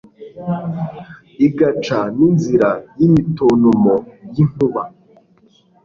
igaca n'inzira y'imitontomo y'inkuba